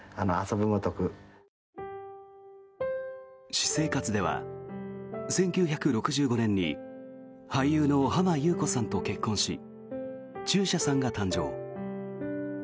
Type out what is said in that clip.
私生活では１９６５年に俳優の浜木綿子さんと結婚し中車さんが誕生。